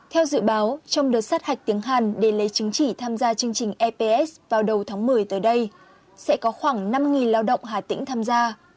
theo dự báo trong đợt sát hạch tiếng hàn để lấy chứng chỉ tham gia chương trình eps vào đầu tháng một mươi tới đây sẽ có khoảng năm lao động hà tĩnh tham gia